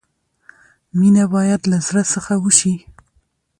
مینه باید لۀ زړۀ څخه وشي.